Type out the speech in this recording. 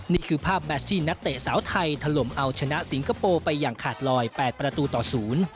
นี่คือภาพแมชที่นักเตะสาวไทยถล่มเอาชนะสิงคโปร์ไปอย่างขาดลอย๘ประตูต่อศูนย์